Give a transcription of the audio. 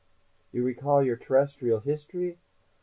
"You recall your terrestrial history?